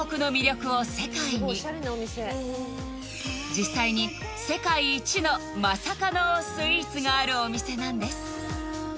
実際に世界一のマサかのスイーツがあるお店なんです